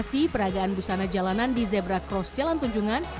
di peragaan busana jalanan di zebra cross jalan tunjungan